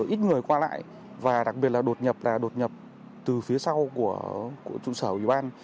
ít người qua lại và đặc biệt là đột nhập đột nhập từ phía sau của trụ sở ủy ban